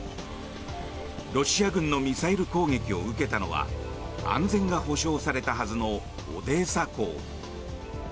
ロシア軍のミサイル攻撃を受けたのは安全が保障されたはずのオデーサ港。